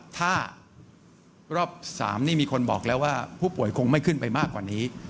ถ้ารอบ๓นี่มีคนบอกแล้วว่าผู้ป่วยคงไม่ขึ้นไปมากกว่านี้